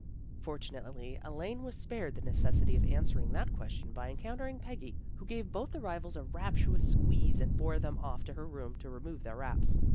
" Fortunately Elaine was spared the necessity of answering that question by encountering Peggy, who gave both arrivals a rapturous squeeze and bore them off to her room to remove their wraps.